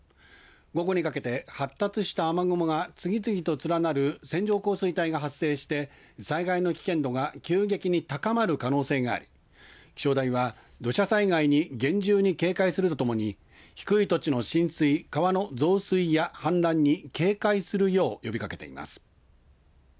午後にかけて発達した雨雲が次々と連なる線状降水帯が発生して災害の危険度が急激に高まる可能性があり気象台は土砂災害に厳重に警戒するとともに低い土地の浸水、川の増水や氾濫に警戒するよう呼びかけています。